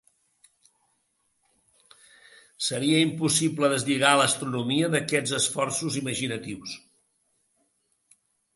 Seria impossible deslligar l’astronomia d’aquests esforços imaginatius.